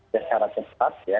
secara cepat ya